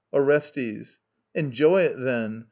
ORESTES. Enjoy it, then.